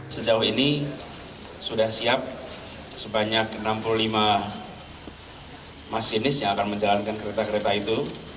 sejauh ini sudah siap sebanyak enam puluh lima masinis yang akan menjalankan kereta kereta itu